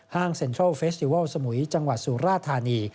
เซ็นทรัลเฟสติวัลสมุยจังหวัดสุราธานี